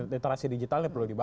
iya literasi digitalnya